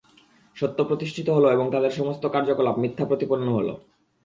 সত্য প্রতিষ্ঠিত হল এবং তাদের সমস্ত কার্যকলাপ মিথ্যা প্রতিপন্ন হল।